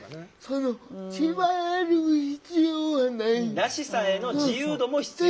「らしさ」への自由度も必要。